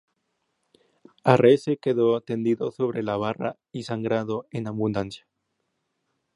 Arrese quedó tendido sobre la barra y sangrando en abundancia.